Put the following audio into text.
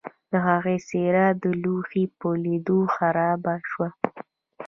د هغه څیره د لوحې په لیدلو خرابه شوه